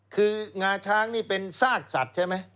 คืองาช้างนี่เป็นซากสัตว์ใช่ไหม